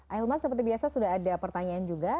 akhil mas seperti biasa sudah ada pertanyaan juga